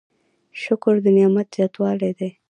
شکر د نعمت زیاتوالی دی؟